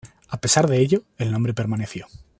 A pesar de ello, el nombre permaneció.